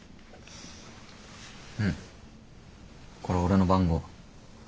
これ俺の番号。